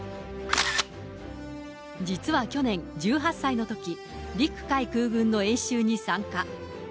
実は去年、１８歳のとき、陸海空軍の演習に参加。